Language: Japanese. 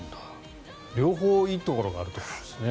両方いいところがあるってことですね。